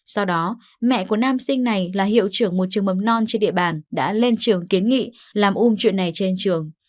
sau đó mẹ của nam sinh này là hiệu trưởng một trường mầm non trên địa bàn đã lên trường kiến nghị làm ôm chuyện này trên trường